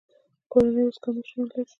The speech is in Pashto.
کورنۍ اوس کم ماشومان لري.